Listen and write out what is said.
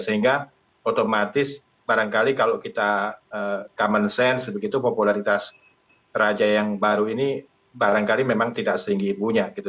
sehingga otomatis barangkali kalau kita common sense begitu popularitas raja yang baru ini barangkali memang tidak setinggi ibunya gitu